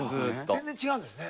全然違うんですね